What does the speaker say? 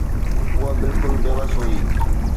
هوءَ بلڪل بيوس هئي.